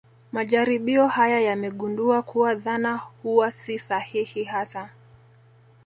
Majaribio haya yamegundua kuwa dhana huwa si sahihi hasa